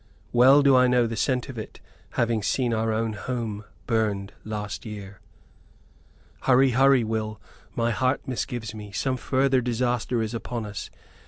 Well do I know the scent of it; having seen our own home burned last year." "Hurry, hurry, Will; my heart misgives me. Some further disaster is upon us.